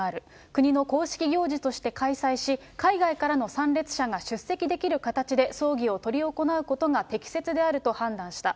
国の公式行事として開催し、海外からの参列者が出席できる形で葬儀を執り行うことが適切であると判断した。